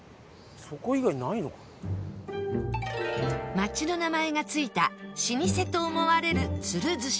町の名前が付いた老舗と思われるツルズシ